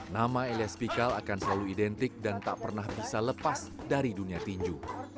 nama elias pikal akan selalu identik dan tak pernah bisa lepas dari dunia tinju